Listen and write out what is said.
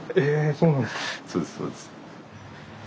そうですそうです。